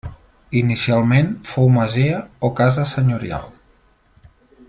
Inicialment fou masia o casa senyorial.